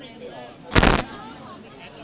ไม่ต้องหวานเลย